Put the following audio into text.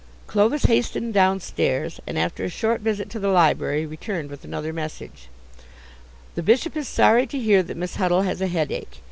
Clovis hastened downstairs, and after a short visit to the library returned with another message: "The Bishop is sorry to hear that Miss Huddle has a headache.